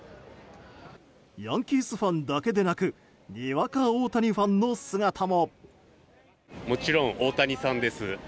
ヤンキースファンだけでなくにわか大谷ファンの姿も。